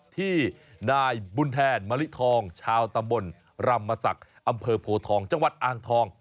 ที่นายบุญแทนมะลิทองชาวตำบลรำมศักดิ์อำเภอโพทองจังหวัดอ่างทอง